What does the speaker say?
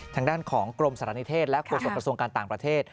ทางด้านของกรมศาลณิเทศและกฏศประสงค์การต่างประเทศ